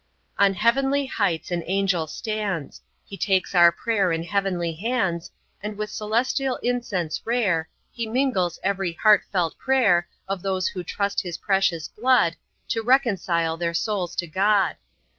On heavenly heights an Angel stands. He takes our prayer in heavenly hands, And with celestial incense rare, He mingles every heart felt prayer Of those who trust His precious blood To reconcile their souls to God.